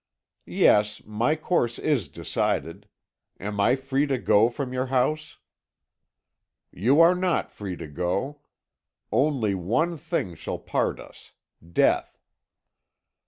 "'Yes; my course is decided. Am I free to go from your house?' "'You are not free to go. Only one thing shall part us death!'